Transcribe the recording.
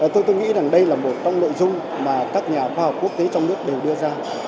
tôi nghĩ rằng đây là một trong nội dung mà các nhà khoa học quốc tế trong nước đều đưa ra